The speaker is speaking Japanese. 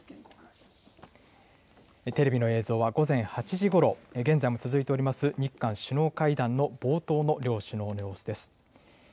テレビの映像は、午前８時ごろ、現在も続いております、日韓首脳会談の冒頭の両首脳の様子です。